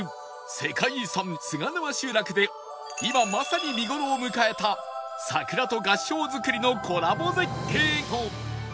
世界遺産菅沼集落で今まさに見頃を迎えた桜と合掌造りのコラボ絶景と